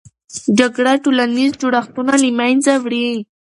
جګړه ټولنیز جوړښتونه له منځه وړي.